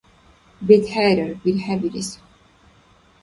БетхӀерар, бирхӀебирис.